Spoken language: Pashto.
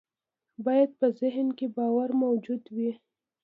بايد په ذهن کې باور موجود وي.